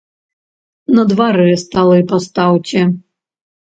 На дварэ сталы пастаўце.